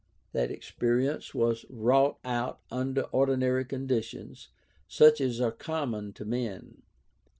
That experience was wrought out under ordinary conditions, such as are common to men.